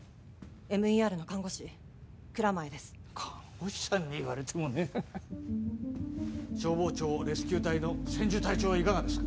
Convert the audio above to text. ＭＥＲの看護師蔵前です看護師さんに言われてもね消防庁レスキュー隊の千住隊長はいかがですか？